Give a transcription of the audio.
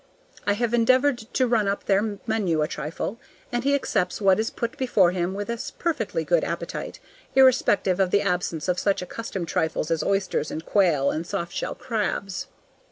I have endeavored to run up their menu a trifle, and he accepts what is put before him with a perfectly good appetite, irrespective of the absence of such accustomed trifles as oysters and quail and soft shell crabs.